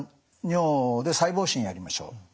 尿で細胞診やりましょう」。